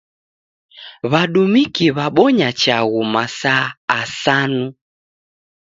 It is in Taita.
W'adumiki w'abonya chaghu masaa asanu.